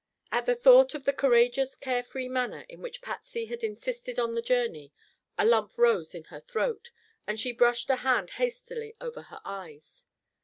As she thought of the courageous, carefree manner in which Patsy had insisted on the journey, a lump rose in her throat, and she brushed a hand hastily over her eyes.